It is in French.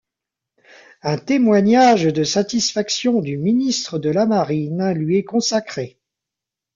Un témoignage de satisfaction du Ministre de la Marine lui est consacré.